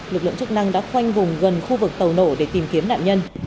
lực lượng chức năng đã khoanh vùng gần khu vực tàu nổ để tìm kiếm nạn nhân